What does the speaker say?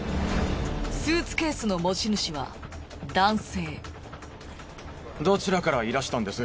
スーツケースの持ち主は男性。